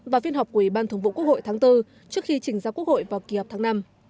vào phiên họp của ủy ban thường vụ quốc hội tháng bốn trước khi trình ra quốc hội vào kỳ họp tháng năm